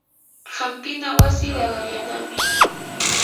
hampina wasi raqallanami.